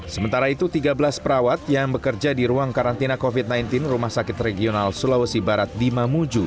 sementara itu tiga belas perawat yang bekerja di ruang karantina covid sembilan belas rumah sakit regional sulawesi barat di mamuju